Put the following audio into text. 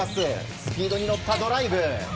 スピードに乗ったドライブ。